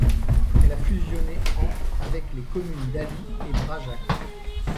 Elle a fusionné en avec les communes d'Ally et Brageac.